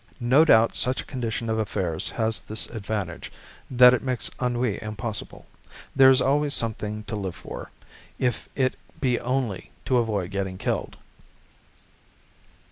No doubt such a condition of affairs has this advantage, that it makes ennui impossible. There is always something to live for, if it be only to avoid getting killed.